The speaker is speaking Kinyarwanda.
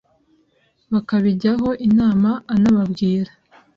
bakabijyaho inama anababwira